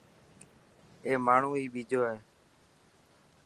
اي ماڻهو هي ٻيجو هي.